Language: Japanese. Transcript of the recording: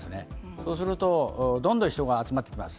そうすると、どんどん人が集まってきます。